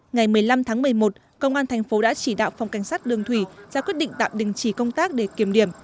ngày một mươi năm tháng một mươi một công an thành phố đã chỉ đạo phòng cảnh sát đường thủy ra quyết định tạm đình chỉ công tác để kiểm điểm